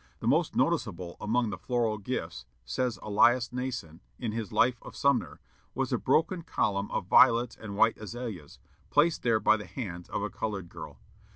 The most noticeable among the floral gifts, says Elias Nason, in his Life of Sumner, "was a broken column of violets and white azaleas, placed there by the hands of a colored girl.